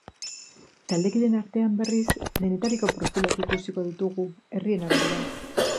Taldekideen artean, berriz, denetariko profilak ikusiko ditugu, herrien arabera.